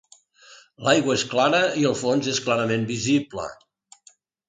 L'aigua és clara i el fons és clarament visible.